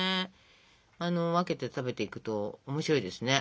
分けて食べていくと面白いですね。